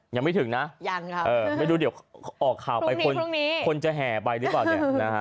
ยังไม่ถึงนะเดี๋ยวออกข่าวไปคนจะแห่ไปหรือ